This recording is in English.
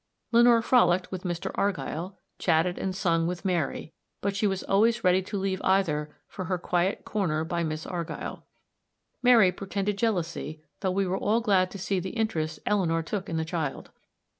Lenore frolicked with Mr. Argyll, chatted and sung with Mary; but she was always ready to leave either for her quiet corner by Miss Argyll. Mary pretended jealousy, though we were all glad to see the interest Eleanor took in the child.